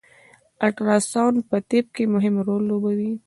الټراساونډ په طب کی مهم رول لوبوي